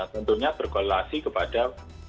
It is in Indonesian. tentunya berkolasi kepada